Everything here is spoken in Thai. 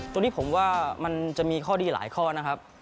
ตรงนี้ผมว่ามันจะมีข้อดีหลายข้อนะครับ